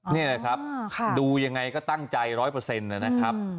เนี่ยครับดูยังไงก็ตั้งใจร้อยเปอร์เซ็นต์นะนะครับ